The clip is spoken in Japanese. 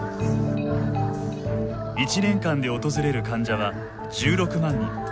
１年間で訪れる患者は１６万人。